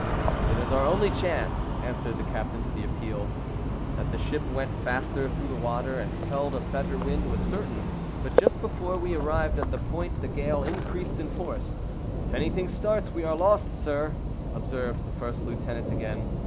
"It is our only chance," answered the captain to the appeal. That the ship went faster through the water, and held a better wind, was certain; but just before we arrived at the point the gale increased in force. "If anything starts we are lost, sir," observed the first lieutenant again.